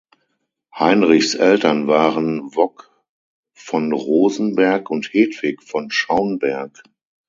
Heinrichs Eltern waren Wok von Rosenberg und Hedwig von Schaunberg.